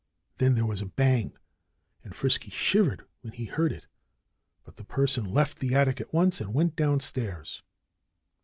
Then there was a bang. And Frisky shivered when he heard it. But the person left the attic at once and went downstairs.